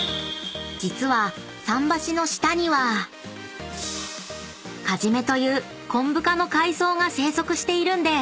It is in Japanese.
［桟橋の下にはカジメというコンブ科の海藻が生息しているんです］